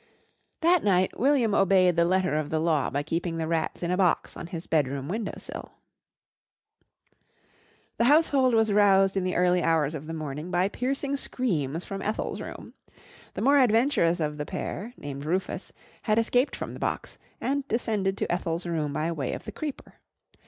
That night William obeyed the letter of the law by keeping the rats in a box on his bedroom window sill. The household was roused in the early hours of the morning by piercing screams from Ethel's room. The more adventurous of the pair named Rufus had escaped from the box and descended to Ethel's room by way of the creeper.